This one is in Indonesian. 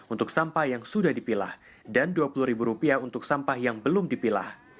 untuk sampah yang sudah dipilah dan rp dua puluh untuk sampah yang belum dipilah